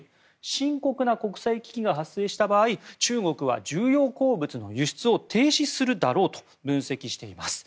深刻な国際危機が発生した場合中国は重要鉱物の輸出を停止するだろうと分析しています。